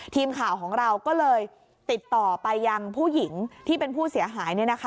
ทีมข่าวของเราก็เลยติดต่อไปยังผู้หญิงที่เป็นผู้เสียหาย